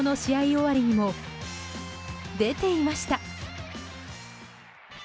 終わりにも出ていました。